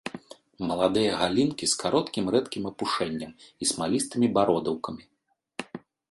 Маладыя галінкі з кароткім рэдкім апушэннем і смалістымі бародаўкамі.